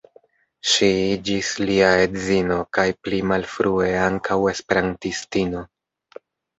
Ŝi iĝis lia edzino kaj pli malfrue ankaŭ esperantistino.